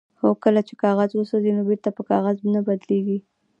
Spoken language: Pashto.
هو کله چې کاغذ وسوځي نو بیرته په کاغذ نه بدلیږي